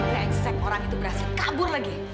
reksek orang itu berhasil kabur lagi